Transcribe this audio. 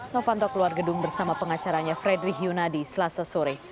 novanto keluar gedung bersama pengacaranya fredri hyuna di selasa sore